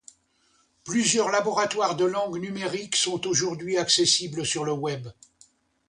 Plusieurs laboratoires de langues numériques sont aujourd'hui accessibles sur le Web.